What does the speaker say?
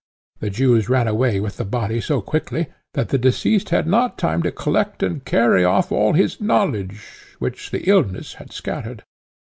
The Jews ran away with the body so quickly, that the deceased had not time to collect and carry off all his knowledge, which the illness had scattered.